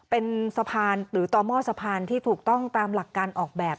เป็นสะพานหรือต่อหม้อสะพานที่ถูกต้องตามหลักการออกแบบ